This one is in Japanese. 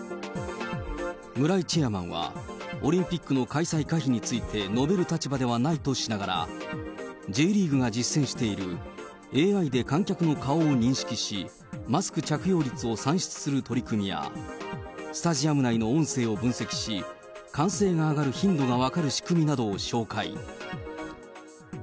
村井チェアマンは、オリンピックの開催可否について述べる立場ではないとしながら、Ｊリーグが実践しているＡＩで観客の顔を認識し、マスク着用率を算出する取り組みや、スタジアム内の音声を分析し、歓声が上がる頻度が分かる仕組みをなどを紹介。